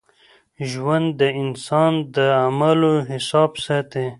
ژوند د انسان د اعمالو حساب ساتي.